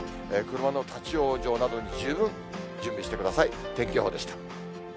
車の立往生などに十分準備してください。